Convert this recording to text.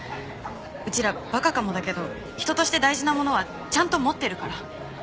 うちら馬鹿かもだけど人として大事なものはちゃんと持ってるから。